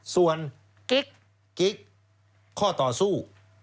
ส่วนกิ๊กข้อต่อสู้